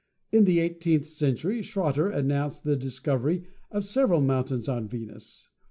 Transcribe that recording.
In the eighteenth century Schroter announced the discovery of several mountains on Venus.